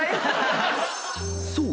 ［そう。